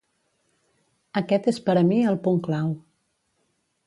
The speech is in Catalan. Aquest és per a mi el punt clau.